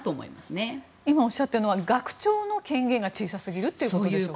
今おっしゃっているのは学長の権限が小さすぎるということでしょうか。